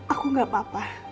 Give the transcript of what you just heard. aku gak apa apa